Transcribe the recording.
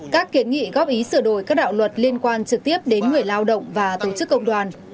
các kiến nghị góp ý sửa đổi các đạo luật liên quan trực tiếp đến người lao động và tổ chức công đoàn